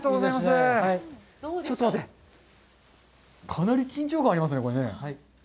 かなり緊張感ありますね。